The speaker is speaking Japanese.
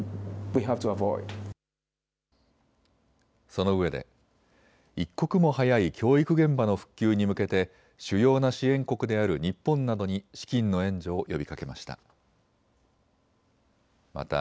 そのうえで一刻も早い教育現場の復旧に向けて主要な支援国である日本などに資金の援助を呼びかけました。